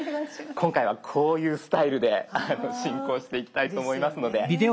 今回はこういうスタイルで進行していきたいと思いますので。